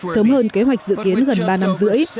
sớm hơn kế hoạch dự kiến gần ba năm rưỡi